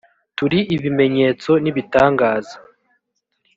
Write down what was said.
turi ibimenyetso n ibitangaza